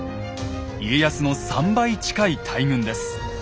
家康の３倍近い大軍です。